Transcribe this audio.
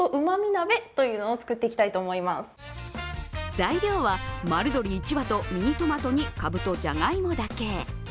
材料は丸鶏１羽とミニトマトにかぶとじゃがいもだけ。